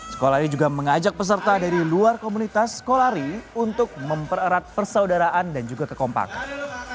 sekolari juga mengajak peserta dari luar komunitas sekolari untuk mempererat persaudaraan dan juga kekompakan